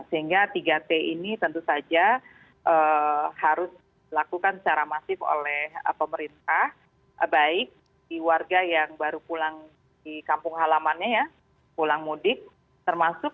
sehingga tiga t ini tentu saja harus dilakukan secara masyarakat